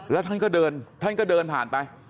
แล้วท่านก็เดินท่านก็เดินผ่านไป